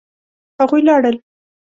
هغوی لاړل